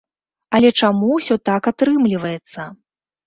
Але чаму ўсё так атрымліваецца?